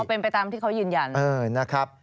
อ๋อเป็นไปตามที่เขายืนยัน